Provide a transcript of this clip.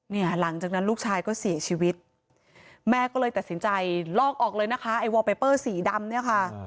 หลังจากนั้นลูกชายก็เสียชีวิตแม่ก็เลยตัดสินใจลอกออกเลยนะคะไอ้วอลเปเปอร์สีดำเนี่ยค่ะ